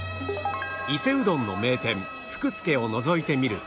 伊勢うどんの名店ふくすけをのぞいてみると